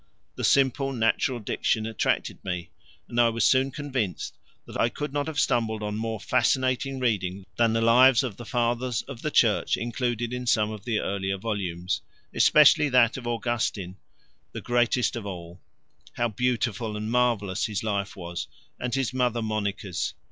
The simple natural diction attracted me, and I was soon convinced that I could not have stumbled on more fascinating reading than the lives of the Fathers of the Church included in some of the earlier volumes, especially that of Augustine, the greatest of all: how beautiful and marvellous his life was, and his mother Monica's!